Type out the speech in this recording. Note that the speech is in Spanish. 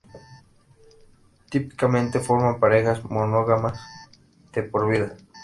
Típicamente forman parejas monógamas de por vida.